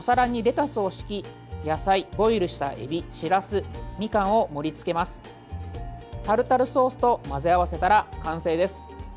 タルタルソースと混ぜ合わせたら完成です。